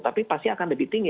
tapi pasti akan lebih tinggi